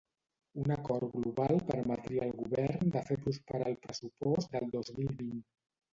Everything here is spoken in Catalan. Un acord global permetria al govern de fer prosperar el pressupost del dos mil vint.